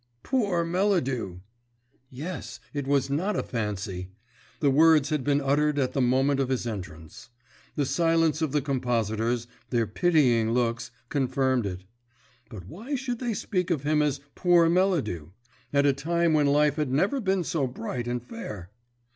"Poor Melladew!" Yes, it was not a fancy. The words had been uttered at the moment of his entrance. The silence of the compositors, their pitying looks, confirmed it. But why should they speak of him as "poor Melladew" at a time when life had never been so bright and fair?